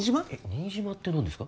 新島って何ですか？